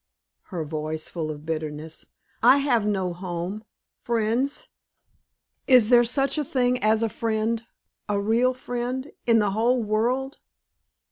her voice full of bitterness "I have no home. Friends? Is there such a thing as a friend a real friend in the whole world?"